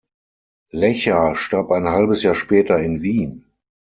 Lecher starb ein halbes Jahr später in Wien.